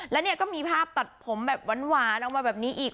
แล้วเนี่ยก็มีภาพตัดผมแบบหวานออกมาแบบนี้อีก